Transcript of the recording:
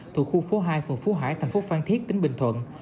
thuộc khu phố hai phường phú hải thành phố phan thiết tỉnh bình thuận